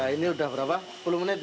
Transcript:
ini udah berapa sepuluh menit